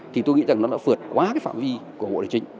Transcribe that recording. thì tôi nghĩ rằng nó đã phượt quá cái phạm vi của bộ tài chính